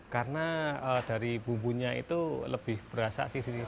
karena dari bumbunya itu lebih berasa sih